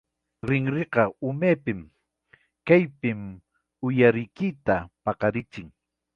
Rinriqa umapim, kaypim uyarikuyta paqarichin.